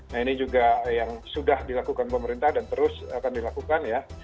nah ini juga yang sudah dilakukan pemerintah dan terus akan dilakukan ya